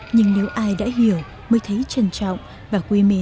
nhưng nếu ai đã hiểu mới thấy trân trọng và quy mắc